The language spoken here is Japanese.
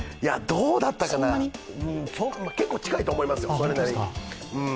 どうだったかな結構近いと思いますよ、それなりに。